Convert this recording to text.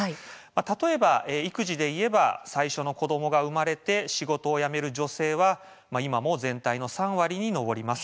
例えば育児で言えば最初の子どもが生まれて仕事を辞める女性は今も全体の３割に上ります。